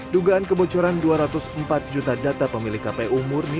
dugaan kebocoran dua ratus empat juta data pemilih kpu murni